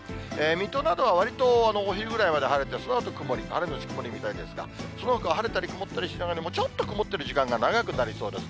水戸などはわりとお昼ぐらいまで晴れて、そのあと曇り、雨後曇りみたいですが、そのほかは晴れたり曇ったりしながらも、ちょっと曇ってる時間が長くなりそうです。